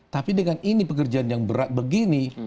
tapi dengan ini pekerjaan yang berat begini